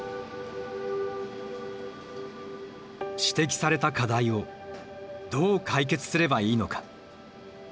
指摘された課題をどう解決すればいいのか。